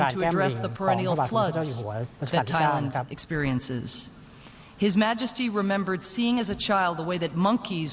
นักศึกษาที่เราได้ยินด้วยและศาลจีน